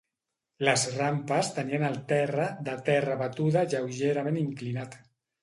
Les rampes tenien el terra de terra batuda lleugerament inclinat.